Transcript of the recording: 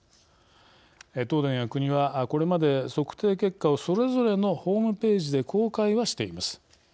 東電や国はこれまで測定結果をそれぞれのホームページで公開はしています。